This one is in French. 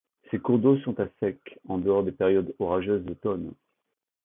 Ces cours d'eau sont à sec en dehors des périodes orageuses d'automne.